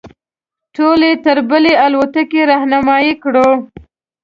ټول یې تر بلې الوتکې رهنمایي کړو.